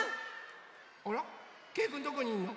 あらけいくんどこにいるの？